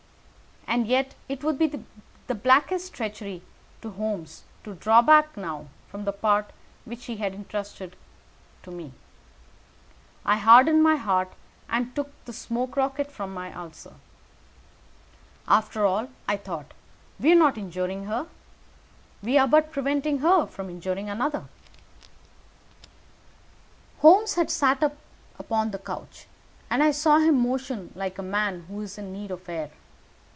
And yet it would be the blackest treachery to Holmes to draw back now from the part which he had intrusted to me. I hardened my heart, and took the smoke rocket from under my ulster. After all, I thought, we are not injuring her. We are but preventing her from injuring another. Holmes had sat upon the couch, and I saw him motion like a man who is in need of air.